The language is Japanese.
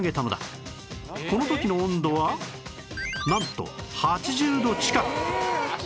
この時の温度はなんと８０度近く